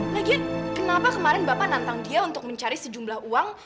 lagian kenapa kemarin bapak nantang dia untuk mencari sejumlah uang